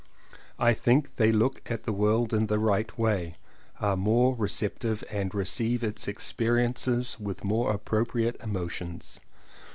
I think they look at the world in the right way, are more receptive and receive its experiences with more appropriate emo tions.